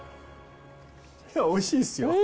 おいしいですよ。